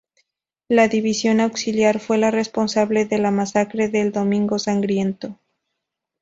La División Auxiliar fue la responsable de la masacre del Domingo Sangriento.